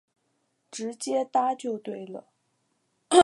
直接搭就对了